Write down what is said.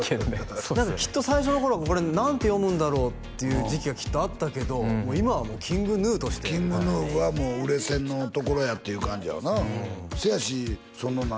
そうっすよねきっと最初の頃はこれ何て読むんだろうっていう時期がきっとあったけど今はもうＫｉｎｇＧｎｕとしてＫｉｎｇＧｎｕは売れ線のところやっていう感じやなそうやしその何？